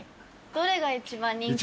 どれが一番人気ですか？